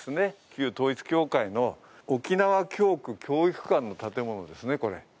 旧統一教会の沖縄教区・教育館の建物ですね、これ。